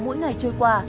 mỗi ngày trôi qua